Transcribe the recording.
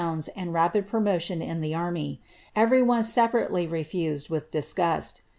and rapid promotion in the army. Every *Ay refused, with disgust.